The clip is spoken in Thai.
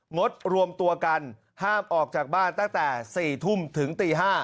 ดรวมตัวกันห้ามออกจากบ้านตั้งแต่๔ทุ่มถึงตี๕